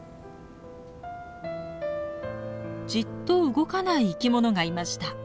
じっと動かない生き物がいました。